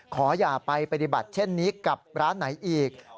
ขออย่าไปปฏิบัติเช่นนี้กับร้านไหนอีก